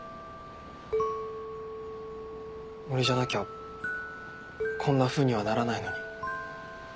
俺じゃなきゃこんなふうにはならないのに。